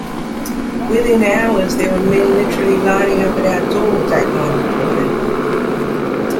"Within hours there were men literally lining up at our door," Dateline reported.